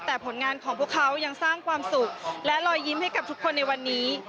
แต่ผลงานของพวกเขายังสร้างความสุขและรอยยิ้มให้กับทุกคนในวันนี้